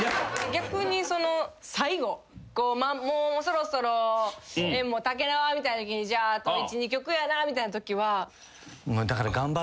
逆に最後もうそろそろ宴もたけなわみたいなときにじゃああと１２曲やなみたいなときは。